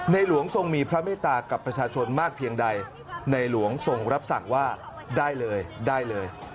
หลวงทรงมีพระเมตตากับประชาชนมากเพียงใดในหลวงทรงรับสั่งว่าได้เลยได้เลย